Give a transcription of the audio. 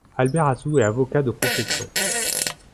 Albert Asou est avocat de profession.